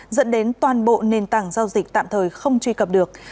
dẫn đến toàn bộ nền tảng giao dịch tạm thời không truy cập được